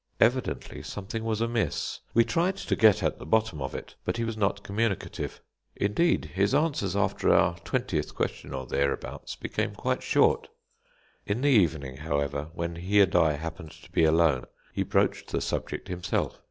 Evidently something was amiss. We tried to get at the bottom of it, but he was not communicative. Indeed, his answers after our twentieth question or thereabouts became quite short. In the evening, however, when he and I happened to be alone, he broached the subject himself.